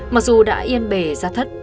mặc dù đã yên bề ra thất